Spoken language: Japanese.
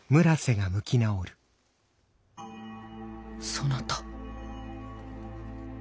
そなた。